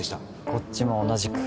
こっちも同じく